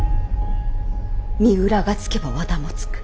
三浦がつけば和田もつく。